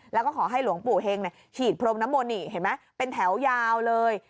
แล้วก็ขอให้หลวงปู่เฮงฉีดพรมน้ำมนต์นี่เห็นไหมเป็นแถวยาวเลย